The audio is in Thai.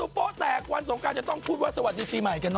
เข้ามวันสงกาจะต้องพูดว่าสวรรค์อีสีใหม่กัน